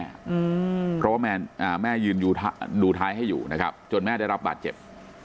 เพราะว่าแม่ยืนดูท้ายให้อยู่นะครับจนแม่ได้รับบาดเจ็บ